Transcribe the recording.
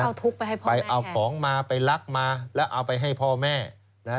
เอาทุกข์ไปให้พ่อไปเอาของมาไปลักมาแล้วเอาไปให้พ่อแม่นะฮะ